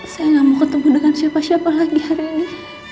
saya nggak mau ketemu dengan siapa siapa lagi hari ini